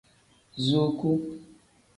Zuuku.